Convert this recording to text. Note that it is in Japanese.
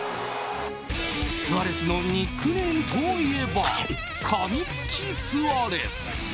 スアレスのニックネームといえばかみつきスアレス。